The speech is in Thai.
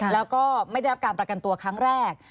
แล้วก็ไม่ได้รับการประกันตัวครั้งแรก